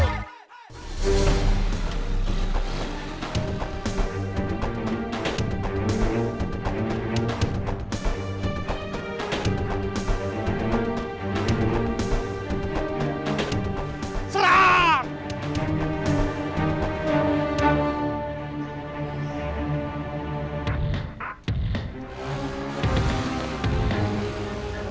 sekarang orangnya sudah kumplit